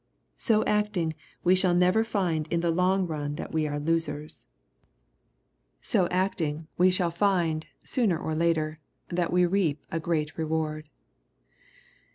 So acting, we shall never find in the long run that we are losenk LUKE, cnAP. V. 188 Bd acting, we shall find, sooner or later, that we reap a great reward.